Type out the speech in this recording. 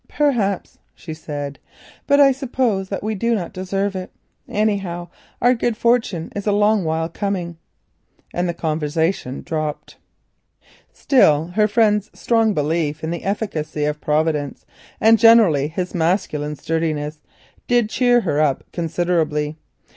"Perhaps," she said, "but I suppose that we do not deserve it. Anyhow, our good fortune is a long while coming," and the conversation dropped. Still her friend's strong belief in the efficacy of Providence, and generally his masculine sturdiness, did cheer her up considerably.